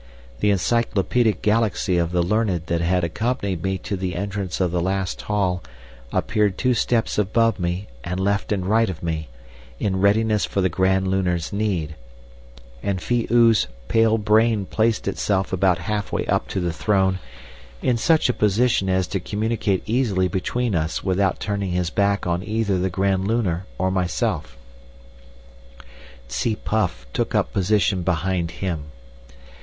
The encyclopaedic galaxy of the learned that had accompanied me to the entrance of the last hall appeared two steps above me and left and right of me, in readiness for the Grand Lunar's need, and Phi oo's pale brain placed itself about half way up to the throne in such a position as to communicate easily between us without turning his back on either the Grand Lunar or myself. Tsi puff took up a position behind him.